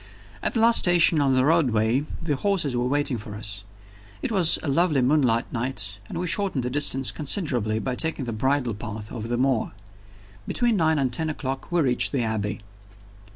At the last station on the railway the horses were waiting for us. It was a lovely moonlight night, and we shortened the distance considerably by taking the bridle path over the moor. Between nine and ten o'clock we reached the Abbey.